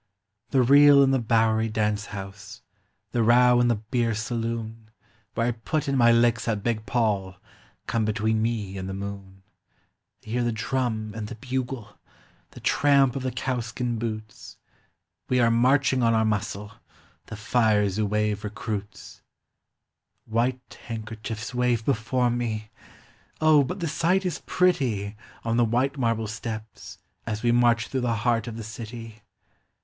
The reel in the Bowery dance house, the r<>w in the beer saloon, Where I put in my licks at Big Paul, come between me and the moon 320 POEMS OF SENTIMENT, I hear the drum and the bugle, the tramp of the cow skin boots, We are marching on our muscle, the Fire Zouave recruits ! White handkerchiefs wave before me — O, but the sight is pretty On the white marble steps, as we march through the heart of the city.